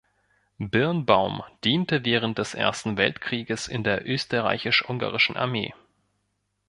Birnbaum diente während des Ersten Weltkrieges in der österreichisch-ungarischen Armee.